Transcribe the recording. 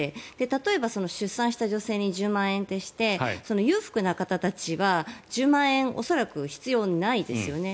例えば、出産した女性に１０万円ってして裕福な方たちは１０万円恐らく必要ないですよね。